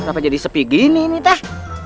kenapa jadi sepi gini nih dah